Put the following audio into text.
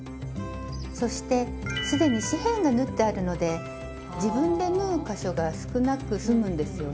そして既に四辺が縫ってあるので自分で縫う箇所が少なく済むんですよね。